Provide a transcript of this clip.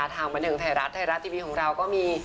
ถามมาถึงไทยรัฐไทยรัฐทีวีของเราก็มี